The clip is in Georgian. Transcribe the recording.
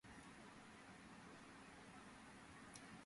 მაუვეს ნახატების უმრავლესობაზე გამოსახულია ადამიანები და ცხოველები ბუნებაში.